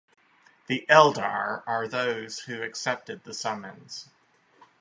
The Eldar are those who accepted the summons.